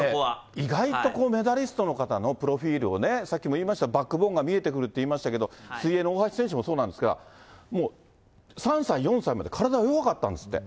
意外とメダリストの方のプロフィールをね、さっきも言いました、バックボーンが見えてくるって言いましたけど、水泳の大橋選手もそうなんですが、もう３歳、４歳まで体弱かったんですって。